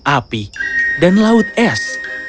dia juga bertemu wanita tua itu